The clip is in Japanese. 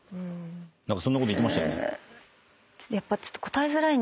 何かそんなこと言ってましたよね。